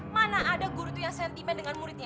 mana ada guru itu yang sentimen dengan muridnya